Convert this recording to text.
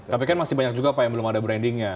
tapi kan masih banyak juga pak yang belum ada brandingnya